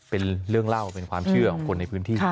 เป็นเรื่องเล่าเป็นความเชื่อของคนในพื้นที่